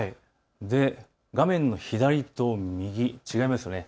画面の左と右、違いますよね。